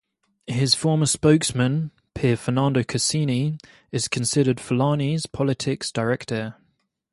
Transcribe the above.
His former spokesman, Pier Ferdinando Casini, is considered Forlani's politics direct heir.